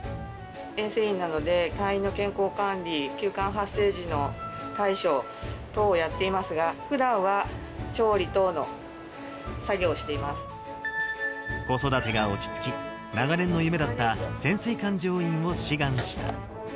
衛生員なので、隊員の健康管理、急患発生時の対処等をやっていますが、ふだんは調理等の作業子育てが落ち着き、長年の夢だった潜水艦乗員を志願した。